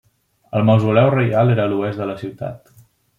El mausoleu reial era a l'oest de la ciutat.